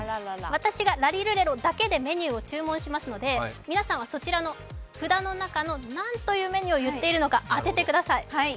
私がラリルレロだけでメニューを注文しますので皆さんはそちらの札の中の何というメニューを言っているのか当ててください。